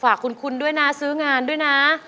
ฝากคุณด้วยนะซื้องานด้วยนะ